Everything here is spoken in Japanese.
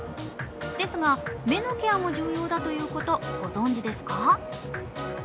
ですが、目のケアも重要だということ、ご存じですか。